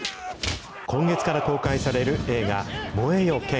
今月から公開される映画、燃えよ剣。